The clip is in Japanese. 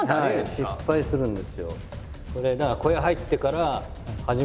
はい失敗するんですよ。